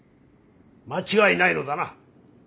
間違いないのだな。